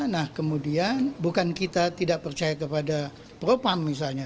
nah kemudian bukan kita tidak percaya kepada propam misalnya